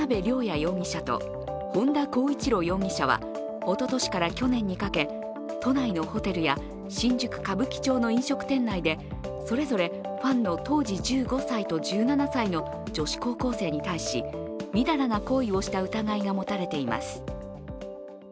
容疑者と本田孝一朗容疑者はおととしから去年にかけ都内のホテルや新宿・歌舞伎町の飲食店内でそれぞれファンの当時１５歳と１７歳の女子高校生に対しみだらな行為をした疑いが持たれています。